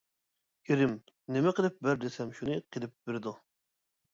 -ئېرىم نېمە قىلىپ بەر دېسەم شۇنى قىلىپ بېرىدۇ.